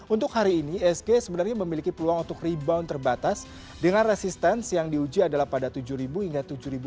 untuk hari ini isg sebenarnya memiliki peluang untuk rebound terbatas dengan resistance yang diuji adalah pada tujuh hingga tujuh lima ratus